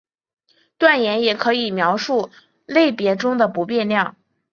断言也可以描述类别中的不变量。